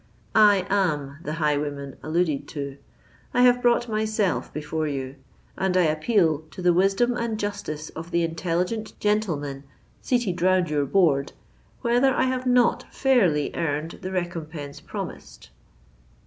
I am the highwayman alluded to: I have brought myself before you; and I appeal to the wisdom and justice of the intelligent gentlemen seated round your board, whether I have not fairly earned the recompense promised?"